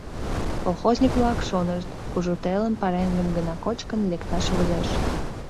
Колхозник-влак шонышт: кужу телым пареҥгым гына кочкын лекташ возеш.